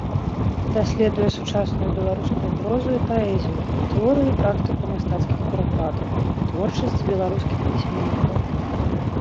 Даследуе сучасную беларускую прозу і паэзію, тэорыю і практыку мастацкіх перакладаў, творчасць беларускіх пісьменнікаў.